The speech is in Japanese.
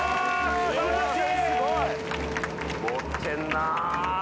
素晴らしい。